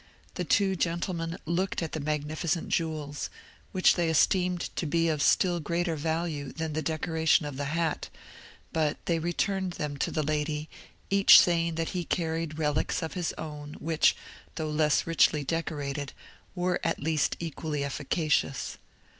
The two gentlemen looked at the magnificent jewels, which they esteemed to be of still greater value than the decoration of the hat; but they returned them to the lady, each saying that he carried Relics of his own, which, though less richly decorated, were at least equally efficacious.